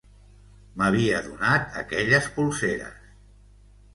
M'havia donat aquelles polseres...